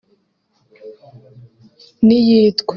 n’iyitwa